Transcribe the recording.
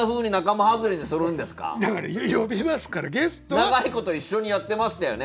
長いこと一緒にやってましたよね？